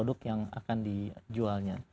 produk yang akan dijualnya